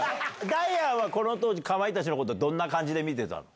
ダイアンはこの当時、かまいたちのこと、どんな感じで見てたの？